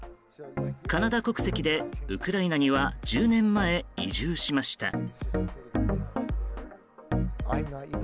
カナダ国籍でウクライナには１０年前、移住しました。